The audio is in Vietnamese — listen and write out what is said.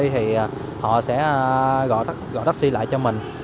thì họ sẽ gọi taxi lại cho mình